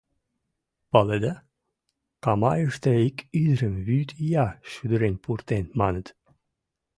— Паледа, Камайыште ик ӱдырым вӱд ия шӱдырен пуртен, маныт.